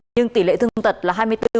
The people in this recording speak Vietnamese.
nhưng tỷ lệ thương tật là hai mươi bốn